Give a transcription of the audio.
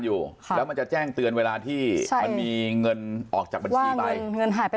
อยู่แล้วมันจะแจ้งเตือนเวลาที่มันมีเงินออกจากบัญชีไปเงินหายไป